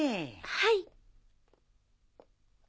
はい。